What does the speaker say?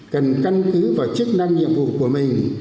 cần căn cứ vào chức năng nhiệm vụ của mình